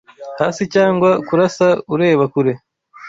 Hasi, cyangwa kurasa ureba kure